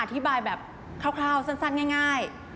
อธิบายแบบคร่าวสั้นง่าย